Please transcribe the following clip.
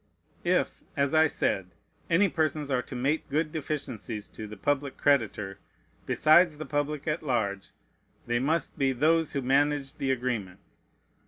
If, as I said, any persons are to mate good deficiencies to the public creditor, besides the public at large, they must be those who managed the agreement.